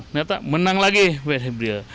ternyata menang lagi pt bril